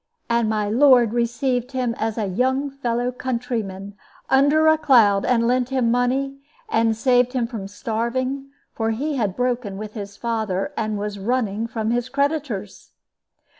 And my lord received him as a young fellow countryman under a cloud, and lent him money, and saved him from starving; for he had broken with his father and was running from his creditors."